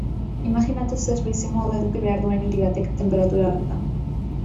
Imajinatu zer bizimodu eduki behar duen hiri batek tenperatura horretan.